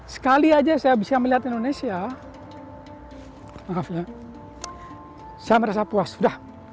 sekali aja saya bisa melihat indonesia maaf ya saya merasa puas sudah